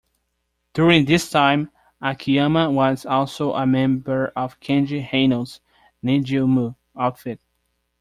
During this time, Akiyama was also a member of Keiji Haino's Nijiumu outfit.